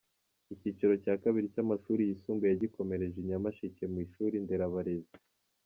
Icyiciro cya kabiri cy’amashuri yisumbuye yagikomereje i Nyamasheke mu ishuri nderabarezi.